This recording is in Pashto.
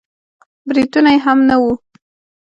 برېتونه يې هم نه وو.